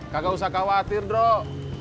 kakak usah khawatir drok